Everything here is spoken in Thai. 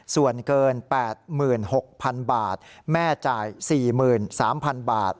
ส่วนเกิน๘๖๐๐๐บาทแม่จ่าย๔๓๐๐๐บาท